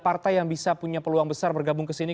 partai yang bisa punya peluang besar bergabung kesini